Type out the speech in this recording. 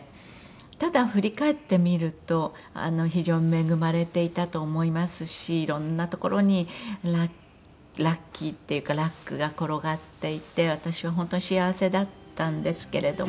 ただ振り返ってみると非常に恵まれていたと思いますしいろんなところにラッキーっていうかラックが転がっていて私は本当に幸せだったんですけれども。